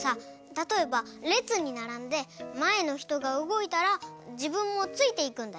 たとえばれつにならんでまえのひとがうごいたらじぶんもついていくんだよ。